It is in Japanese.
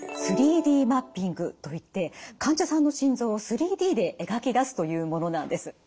３Ｄマッピングといって患者さんの心臓を３Ｄで描き出すというものなんです。